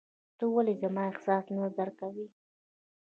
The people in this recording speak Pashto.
ته ولي زما احساس نه درکوې !